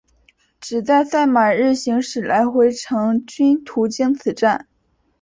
只在赛马日行驶来回程均途经此站。